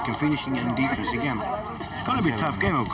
kami bisa menang tiga poin di pertandingan pertama